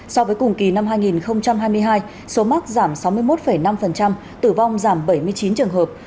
so với cùng kỳ năm hai nghìn hai mươi hai số mắc giảm sáu mươi một năm tử vong giảm bảy mươi chín trường hợp